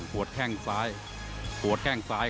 ก็อาจกลับไปปักเนี่ย